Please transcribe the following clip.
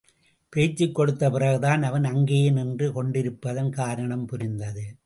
பேச்சுக் கொடுத்த பிறகுதான் அவன் அங்கேயே நின்று கொண்டிருப்பதன் காரணம் புரிந்தது.